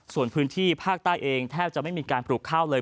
ส่วนพื้นที่ภาคใต้เองแทบจะไม่มีการปลูกข้าวเลย